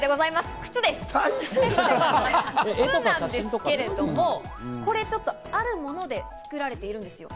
靴なんですけれども、あるもので作られているんです。